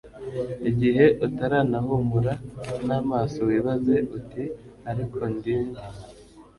igihe utaranahumura n'amaso wibaze uti ariko ndi nde